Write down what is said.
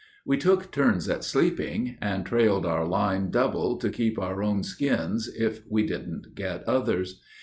We took turns at sleeping, and trailed our line double To keep our own skins, if we didn't get others.